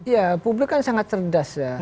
ya publik kan sangat cerdas ya